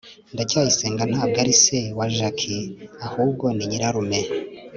ndacyayisenga ntabwo ari se wa jaki, ahubwo ni nyirarume